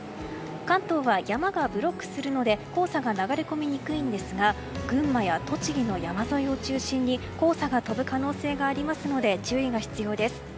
関東は山がブロックするので黄砂が流れ込みにくいんですが群馬や栃木の山沿いを中心に黄砂が飛ぶ可能性がありますので注意が必要です。